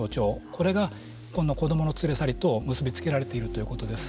これがこの子どもの連れ去りと結び付けられているということです。